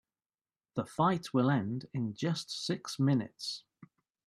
The fight will end in just six minutes.